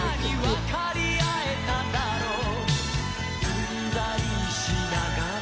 「解りあえただろう」「うんざりしながら」